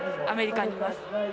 アメリカにいます